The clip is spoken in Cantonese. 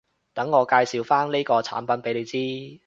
等我介紹返呢個產品畀你知